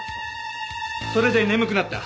それで眠くなった。